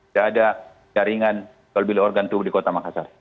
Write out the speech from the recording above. tidak ada jaringan jual beli organ tubuh di kota makassar